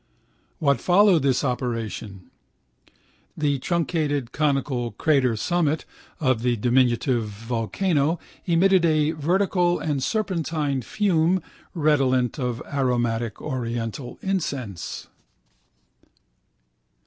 What followed this operation? The truncated conical crater summit of the diminutive volcano emitted a vertical and serpentine fume redolent of aromatic oriental incense.